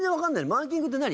マーキングって何？